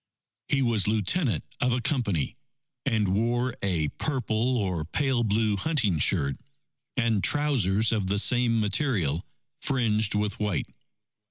He was Lieutenant of a Company, and wore a purple or pale blue hunting shirt, and trousers of the same material fringed with white.